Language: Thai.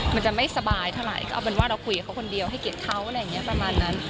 มันจะไม่สบายเท่าไหร่ก็เอาเป็นว่าเราคุยกับเขาคนเดียวให้เกียรติเขาอะไรอย่างนี้ประมาณนั้น